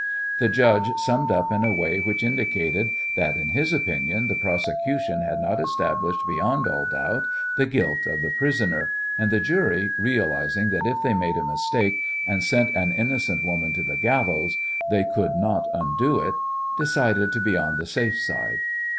The judge summed up in a way which indicated that in his opinion the prosecution had not established beyond all doubt the guilt of the prisoner, and the jury, realizing that if they made a mistake and sent an innocent woman to the gallows they could not undo it, decided to be on the safe side.